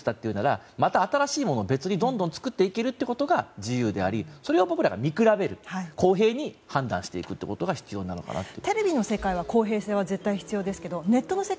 また新しいものを別にどんどん作っていけることが自由でありそれが僕らが見比べる公平に判断していくことが必要なのかなと。